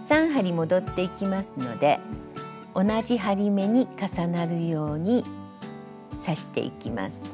３針戻っていきますので同じ針目に重なるように刺していきます。